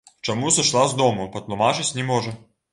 Чаму сышла з дому, патлумачыць не можа.